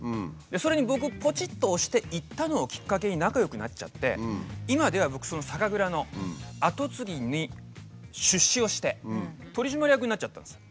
それに僕ぽちっと押して行ったのをきっかけに仲良くなっちゃって今では僕その酒蔵の後継ぎに出資をして取締役になっちゃったんですよ。